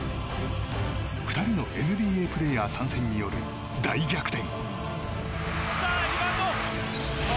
２人のＮＢＡプレーヤー参戦による大逆転。